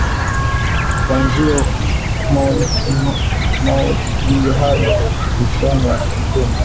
Kuanzia mauaji hadi uhusiano na makundi ya wanamgambo, kundi ambalo wanaharakati wanaamini lilijumuisha zaidi ya dazeni tatu za washia